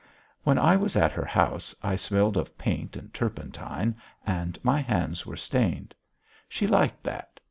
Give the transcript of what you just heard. When I was at her house I smelled of paint and turpentine, and my hands were stained. She liked that.